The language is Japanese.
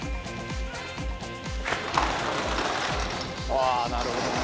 「ああなるほどね」